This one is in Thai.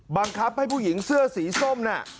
บังคับให้ผู้หญิงเสื้อสีส้มน่ะ